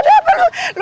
kenapa ada hp lo